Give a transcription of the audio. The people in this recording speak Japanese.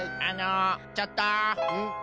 あのちょっと！